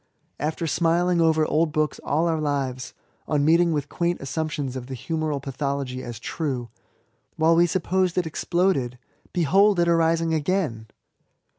After smiling over old books all our lives, on meeting with quaint assumptions of the Humoral pathology as true, while we supposed it exploded beheld it arising again